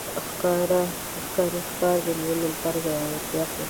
ښکاري د ښکار د نیولو لپاره زړورتیا ښيي.